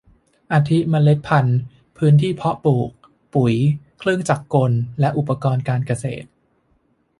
อาทิเมล็ดพันธุ์ พื้นที่เพาะปลูก ปุ๋ย เครื่องจักรกลและอุปกรณ์การเกษตร